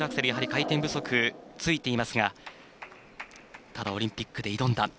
やはり回転不足ついていますがただ、オリンピックで挑んだ